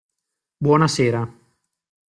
Buonasera!